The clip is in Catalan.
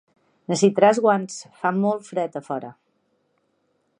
Necessitaràs guants; fa molt fred a fora.